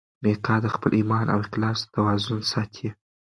میکا د خپل ایمان او اخلاص توازن ساتي.